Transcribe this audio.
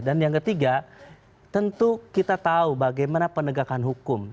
dan yang ketiga tentu kita tahu bagaimana penegakan hukum